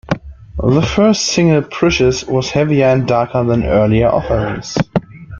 The first single, "Precious", was heavier and darker than earlier offerings.